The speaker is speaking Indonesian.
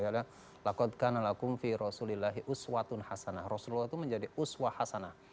rasulullah itu menjadi uswah hasanah